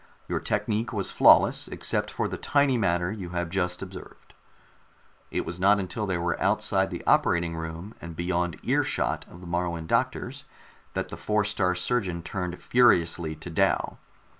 "Your technique was flawless, except for the tiny matter you have just observed." It was not until they were outside the operating room and beyond earshot of the Moruan doctors that the Four star surgeon turned furiously to Dal.